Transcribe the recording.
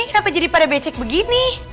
kenapa jadi pada becek begini